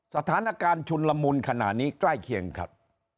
สถานการณ์ชุนละมุนขณะนี้ใกล้เคียงครับ